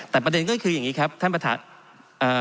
แต่ประเด็นก็คืออย่างนี้ครับท่านประธาน